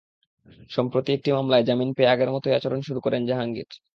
সম্প্রতি একটি মামলায় জামিন পেয়ে আগের মতোই আচরণ শুরু করেন জাহাঙ্গীর।